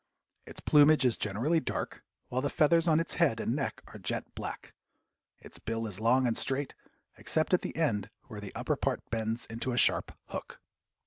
Its plumage is generally dark, while the feathers on its head and neck are jet black. Its bill is long and straight, except at the end, where the upper part bends into a sharp hook.